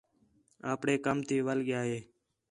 آپݨے کم تی وَل ڳِیا ہے